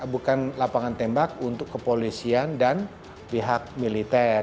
bukan lapangan tembak untuk kepolisian dan pihak militer